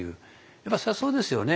やっぱそりゃそうですよね。